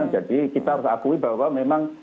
jadi kita harus akui bahwa memang